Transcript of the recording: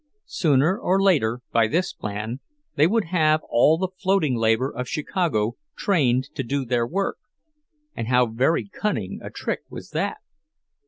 Sooner or later, by this plan, they would have all the floating labor of Chicago trained to do their work. And how very cunning a trick was that!